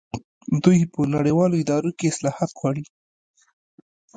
دوی په نړیوالو ادارو کې اصلاحات غواړي.